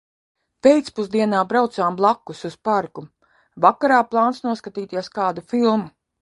Pēcpusdienā braucām blakus uz parku. Vakarā plāns noskatīties kādu filmu.